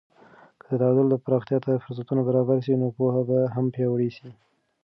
که د تعامل پراختیا ته فرصتونه برابر سي، نو پوهه به هم پیاوړې سي.